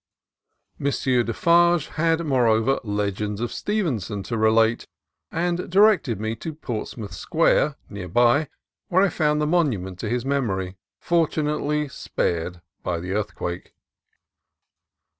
M. Defarge had, moreover, legends of Stevenson to relate, and directed me to Portsmouth Square, near by, where I found the monument to his memory, fortunately spared by the earthquake.